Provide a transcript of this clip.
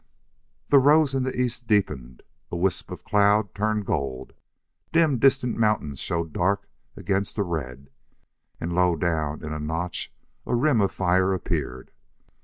The rose in the east deepened; a wisp of cloud turned gold; dim distant mountains showed dark against the red; and low down in a notch a rim of fire appeared.